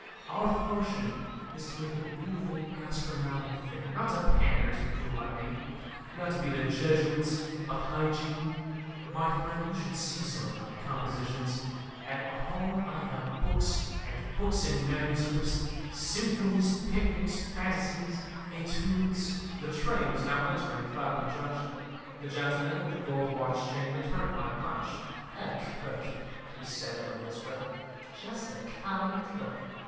Our function is to make the beautiful gastronomic thing, not to pander to gluttony, not to be the Jesuits of hygiene. My friend, you should see some of my compositions. At home I have books and books in manuscript, Symphonies, Picnics, Fantasies, Etudes..." The train was now entering Clapham Junction. The gentleman with the gold watch chain returned my Punch. "A cook," he said in a whisper; "just a common cook!"